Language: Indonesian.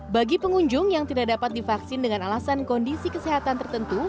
bagi pengunjung yang tidak dapat divaksin dengan alasan kondisi kesehatan tertentu